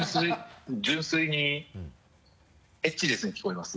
純粋に「エッチです」に聞こえます。